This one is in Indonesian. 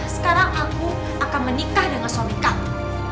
sekarang aku akan menikah dengan suami kamu